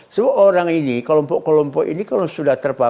semua orang ini kelompok kelompok ini kalau sudah terpapar